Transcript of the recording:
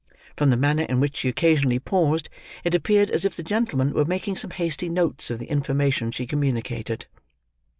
From the manner in which she occasionally paused, it appeared as if the gentleman were making some hasty notes of the information she communicated.